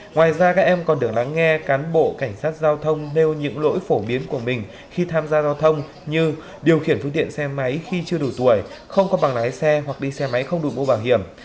ngoài ra các em còn được lắng nghe cán bộ cảnh sát giao thông nêu những lỗi phổ biến của mình khi tham gia giao thông như điều khiển phương tiện xe máy khi chưa đủ tuổi không có bằng lái xe hoặc đi xe máy không đủ mua bảo hiểm